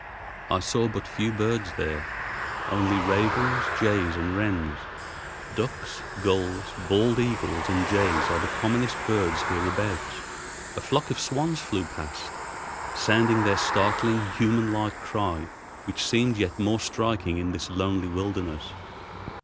I saw but few birds there, only ravens, jays, and wrens. Ducks, gulls, bald eagles, and jays are the commonest birds hereabouts. A flock of swans flew past, sounding their startling human like cry which seemed yet more striking in this lonely wilderness.